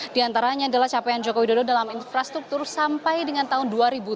di antaranya adalah capaian jokowi dodo dalam infrastruktur sampai dengan tahun dua ribu tujuh belas